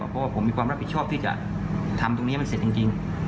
เพราะว่าผมมีความรับผิดชอบที่จะทำตรงนี้ให้มันเสร็จจริง